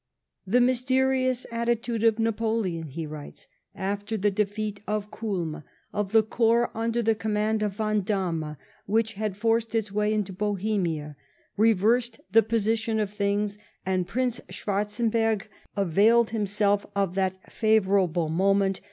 " The mysterious attitude of Napoleon," he writes, " after the defeat at Kulm.of the corps under the command of Vandamme, which Iiad tbrccd its way into Bohemia, reversed tlie position of tliings, and Prince Schwarzeuberg availed himself of that fa\ourable moment to * Byron's Tlie Age of Bronze, y.